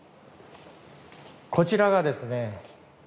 こちらがですね